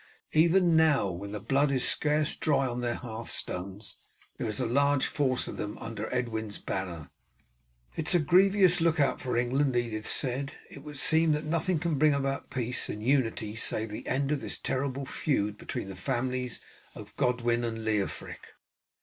Even now, when the blood is scarce dry on their hearthstones, there is a large force of them under Edwin's banner.'" "It is a grievous look out for England," Edith said. "It would seem that nothing can bring about peace and unity save the end of this terrible feud between the families of Godwin and Leofric."